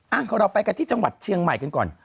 เราไปกันที่จังหวัดเชียงใหม่กันก่อน